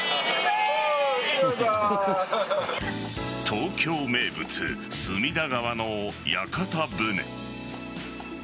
東京名物・隅田川の屋形船。